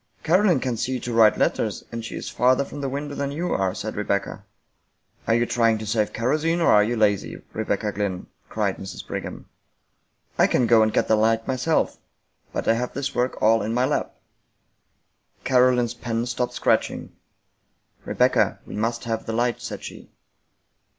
" Caroline can see to write letters, and she is farther from the window than you are," said Rebecca. " Are you trying to save kerosene or are you lazy, Re becca Glynn?" cried Mrs. Brigham. "I can go and get the light myself, but I have this work all in my lap." Caroline's pen stopped scratching. " Rebecca, we must have the light," said she.